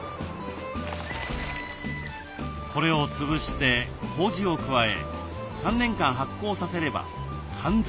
これを潰してこうじを加え３年間発酵させればかん